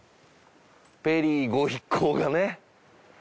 ペリーご一行がね。